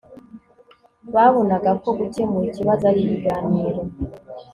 babonaga ko gukemura ikibazo ari ibiganiro